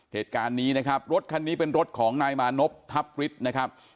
เหตุการณ์นี้นะครับรถคันนี้เป็นรถของนายมานพทัพฤทธิ์นะครับ